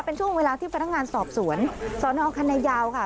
เป็นช่วงเวลาที่พนักงานสอบสวนสนคณะยาวค่ะ